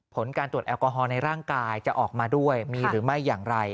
ผลการตรวจแอลกอฮอลในร่างกายจะออกมาด้วยมีหรือไม่อย่างไร